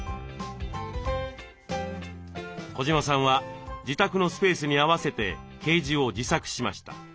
児島さんは自宅のスペースに合わせてケージを自作しました。